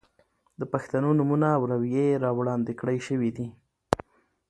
د پښتنو نومونه او روئيې را وړاندې کړے شوې دي.